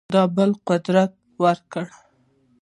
د بل قدر وکړه.